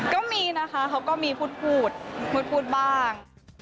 ก็มีนะคะเขาก็มีพูดพูดบ้าง